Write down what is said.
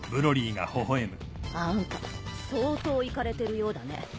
あんた相当いかれてるようだね。